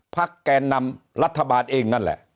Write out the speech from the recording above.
แกนนำรัฐบาลเองนั่นแหละ